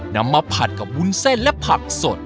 นำมาผัดกับวุ้นเส้นและผักสด